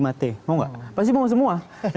mau enggak pasti mau semua